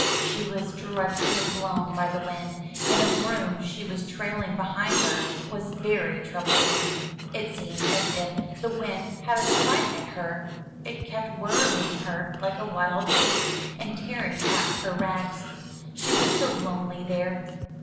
She was dreadfully blown by the wind, and a broom she was trailing behind her was very troublesome. It seemed as if the wind had a spite at her — it kept worrying her like a wild beast, and tearing at her rags. She was so lonely there!